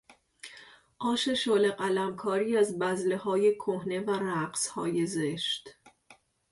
آش شله قلمکاری از بذلههای کهنه و رقصهای زشت